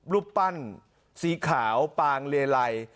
รูปปั้นสีขาวปางเลไล